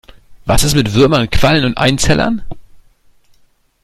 Was ist mit Würmern, Quallen oder Einzellern?